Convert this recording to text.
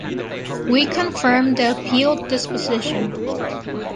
We confirm the appealed disposition.